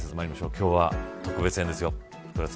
今日は特別編ですよ。